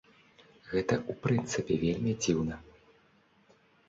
Гэта ў прынцыпе вельмі дзіўна.